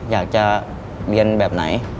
อยากจะเรียนแบบไหน